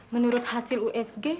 menurut hasil usg